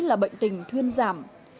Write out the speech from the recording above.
là bệnh tình thuyên giảm